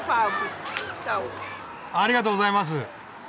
ありがとうございます！